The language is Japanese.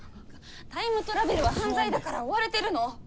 タイムトラベルは犯罪だから追われてるの。